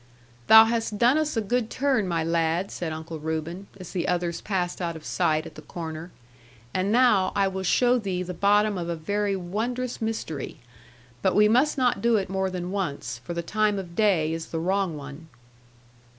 'Thou hast done us a good turn, my lad,' said Uncle Reuben, as the others passed out of sight at the corner; 'and now I will show thee the bottom of a very wondrous mystery. But we must not do it more than once, for the time of day is the wrong one.'